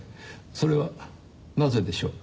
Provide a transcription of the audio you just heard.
それはなぜでしょう？